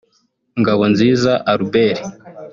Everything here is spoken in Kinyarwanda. Ngabonziza Albert